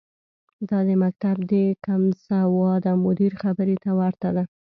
دا د مکتب د کمسواده مدیر خبرې ته ورته ده.